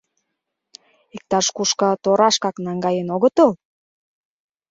Иктаж-кушко торашкак наҥгаен огытыл?